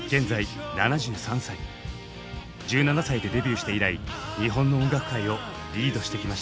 １７歳でデビューして以来日本の音楽界をリードしてきました。